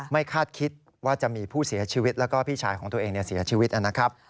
คาดคิดว่าจะมีผู้เสียชีวิตแล้วก็พี่ชายของตัวเองเสียชีวิตนะครับ